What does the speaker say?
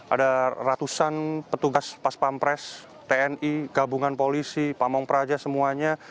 ada ratusan petugas paspampres tni gabungan polisi pamong praja semuanya